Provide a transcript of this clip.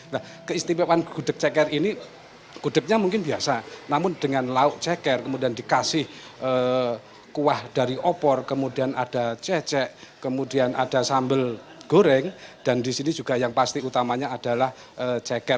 nah keistimewaan gudeg ceker ini gudegnya mungkin biasa namun dengan lauk ceker kemudian dikasih kuah dari opor kemudian ada cecek kemudian ada sambal goreng dan disini juga yang pasti utamanya adalah ceker